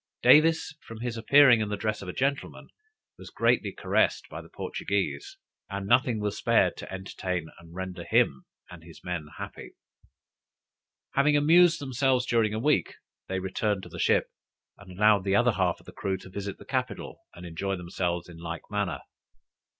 Davis, from his appearing in the dress of a gentleman, was greatly caressed by the Portuguese, and nothing was spared to entertain and render him and his men happy. Having amused themselves during a week, they returned to the ship, and allowed the other half of the crew to visit the capital, and enjoy themselves in like manner.